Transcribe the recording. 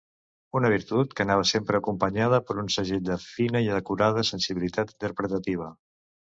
Una virtut que anava sempre acompanyada per un segell de fina i acurada sensibilitat interpretativa.